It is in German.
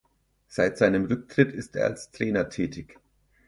Seit seinem Rücktritt ist er als Trainer tätig.